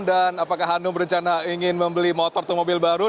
dan apakah hanum berencana ingin membeli motor atau mobil baru